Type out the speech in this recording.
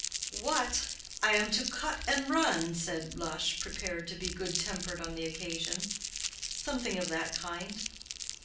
"What! I am to cut and run?" said Lush, prepared to be good tempered on the occasion. "Something of that kind."